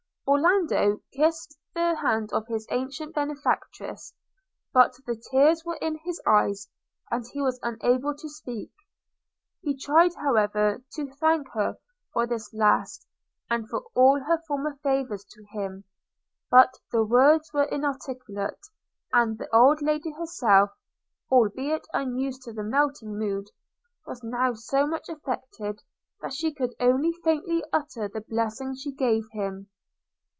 Orlando kissed the hand of his ancient benefactress; but the tears were in his eyes, and he was unable to speak. He tried, however, to thank her for this last, and for all her former favours to him: but the words were inarticulate; and the old lady herself, 'albeit unused to the melting mood,' was now so much affected, that she could only faintly utter the blessing she gave him.